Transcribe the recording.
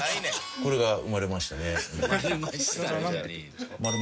これが生まれましたね。